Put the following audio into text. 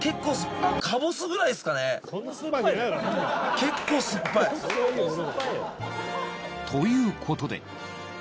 結構酸っぱい。ということで。